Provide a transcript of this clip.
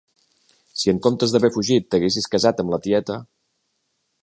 Si en comptes d'haver fugit t'haguessis casat amb la tieta.